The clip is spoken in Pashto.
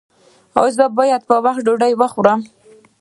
ایا زه باید په وخت ډوډۍ وخورم؟